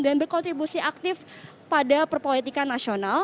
dan berkontribusi aktif pada perpolitikan nasional